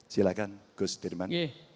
silakan gus dirman